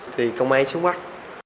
thì công an trúng bắt